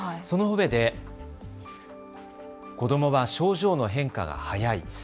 そのうえで子どもは症状の変化が早い。